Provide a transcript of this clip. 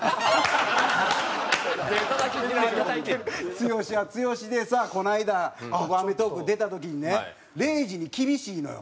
剛は剛でさこの間『アメトーーク』に出た時にね礼二に厳しいのよ。